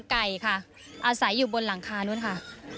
ไก่ค่ะอาศัยอยู่บนหลังคานู้นค่ะ